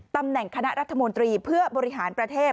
ตำแหน่งคณะรัฐมนตรีเพื่อบริหารประเทศ